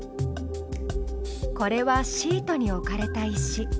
これはシートに置かれた石。